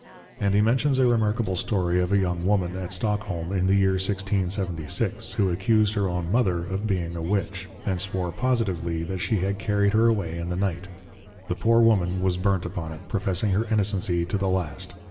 _ And he mentions a Remarkable Story of a young Woman, at Stockholm, in the year 1676, Who accused her own Mother of being a Witch; and swore positively, that she had carried her away in the Night; the poor Woman was burnt upon it: professing her innocency to the last.